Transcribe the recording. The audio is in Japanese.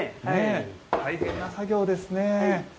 大変な作業ですね。